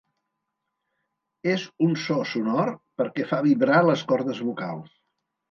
És un so sonor perquè fa vibrar les cordes vocals.